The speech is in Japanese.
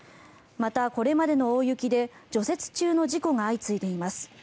また、これまでの大雪で除雪中の事故が相次いでいます。